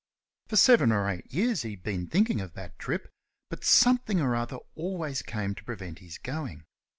For seven or eight years he had been thinking of that trip, but something or other always came to prevent his going.